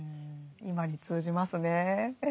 今に通じますね。